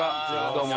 どうも。